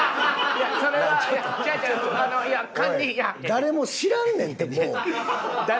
誰も知らんねんってもう。